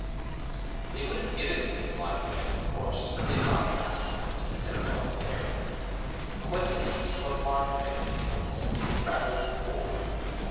'They would have given me a blind man of course if I'd asked for it,' said Don airily, 'but what's the use of a blind man isn't he rather a bore?'